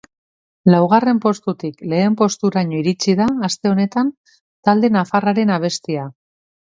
Laugarren postutik lehen posturaino iritsi da aste honetan talde nafarraren abestia.